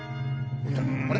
あれ？